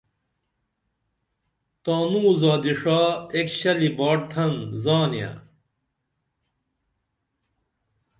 تانوں زادی ݜا ایک شلی باٹ تھن زانیہ